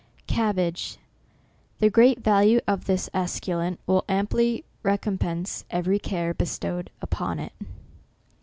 CABBAGE. The great value of this esculent will amply recompense every care bestowed upon it.